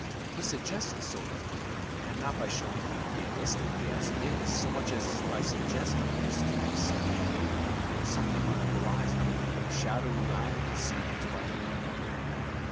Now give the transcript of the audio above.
He suggests the soul of wonder in a man not by showing him realistically as he is so much as by suggesting a mysterious something hidden, something on the horizon, a shadowy island seen at twilight.